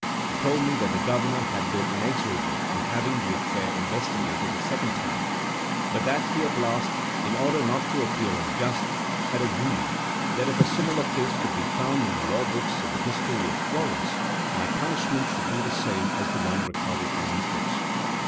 He told me that the Governor had been inexorable in having the affair investigated a second time, but that he at last, in order not to appear unjust, had agreed, that if a similar case could be found in the law books of the history of Florence, my punishment should be the same as the one recorded in these books.